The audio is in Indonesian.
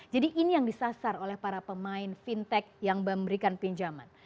jadi ini yang disasar oleh para pemain fintech yang memberikan pinjaman